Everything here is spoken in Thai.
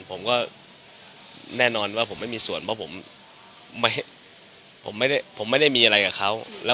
ผมก็แน่นอนว่าผมไม่มีส่วนเพราะผมไม่ได้ผมไม่ได้มีอะไรกับเขา